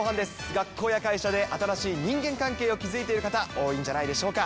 学校や会社で新しい人間関係築いている方、多いんじゃないでしょうか。